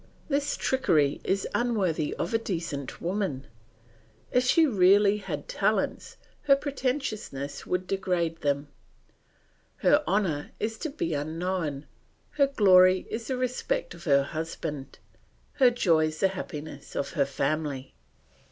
This trickery is unworthy of a decent woman. If she really had talents, her pretentiousness would degrade them. Her honour is to be unknown; her glory is the respect of her husband; her joys the happiness of her family.